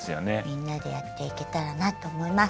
みんなでやっていけたらなと思います。